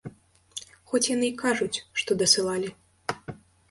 Хоць яны і кажуць, што дасылалі.